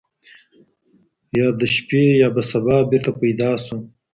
یا د شپې یا به سبا بیرته پیدا سو